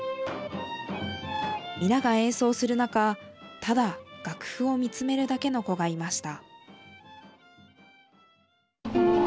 皆が演奏する中ただ楽譜を見つめるだけの子がいました。